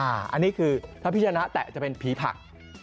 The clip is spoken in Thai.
อันนี้คือถ้าพี่ชนะแตะจะเป็นผีผัก